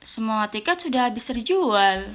semua tiket sudah habis terjual